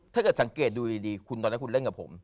ถ้าเกิดสังเกตดูดีคุณตอนนั้นคุณเล่นกับผม